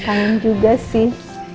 kangen juga sih